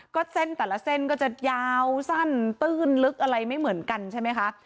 ก็เส้นแต่ละเส้นก็จะยาวสั้นตื้นลึกอะไรไม่เหมือนกันใช่ไหมคะ